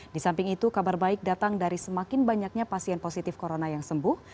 di samping itu kabar baik datang dari semakin banyaknya pasien positif corona yang sembuh